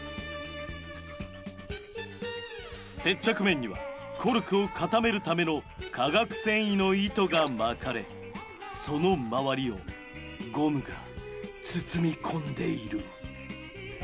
接着面にはコルクを固めるための化学繊維の糸が巻かれその周りをゴムが包み込んでいる。